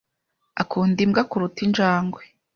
akunda imbwa kuruta injangwe.